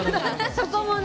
そこもね。